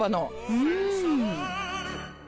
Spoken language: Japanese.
うん？